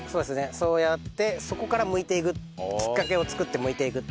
そうやってそこからむいていくきっかけを作ってむいていく。